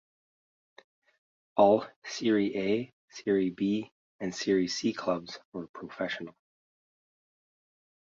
All Serie A, Serie B and Serie C clubs are professional.